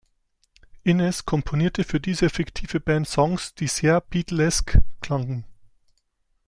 Innes komponierte für diese fiktive Band Songs, die sehr „Beatle-esque“ klangen.